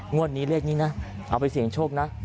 งวดนี้เลขนี้นะเอาไปเสี่ยงโชคนะ